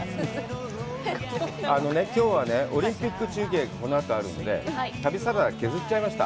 あのね、きょうはね、オリンピック中継がこのあとあるので、旅サラダ、削っちゃいました。